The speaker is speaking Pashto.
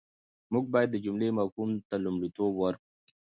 موږ بايد د جملې مفهوم ته لومړیتوب ورکړو.